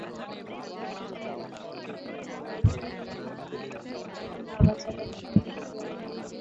সারাপথ আমি আমার বাচ্চার কান্না শুনতে শুনতে বাড়িতে এলাম।